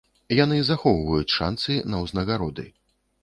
Яны захоўваюць шанцы на ўзнагароды.